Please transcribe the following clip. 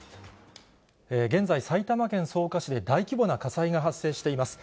現在、埼玉県草加市で大規模な火災が発生しています。